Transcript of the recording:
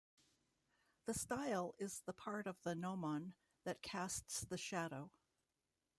The style is the part of the gnomon that casts the shadow.